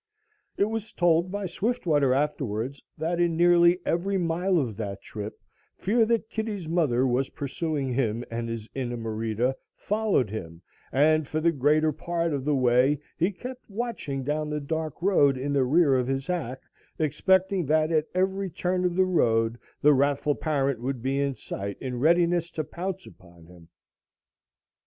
It was told by Swiftwater afterwards that in nearly every mile of that trip fear that Kitty's mother was pursuing him and his inamorita followed him and for the greater part of the way he kept watching down the dark road in the rear of his hack, expecting that at every turn of the road the wrathful parent would be in sight in readiness to pounce upon him.